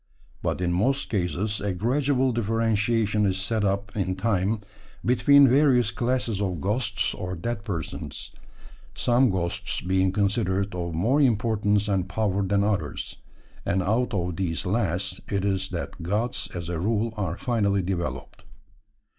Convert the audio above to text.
But in most cases a gradual differentiation is set up in time between various classes of ghosts or dead persons, some ghosts being considered of more importance and power than others; and out of these last it is that gods as a rule are finally developed.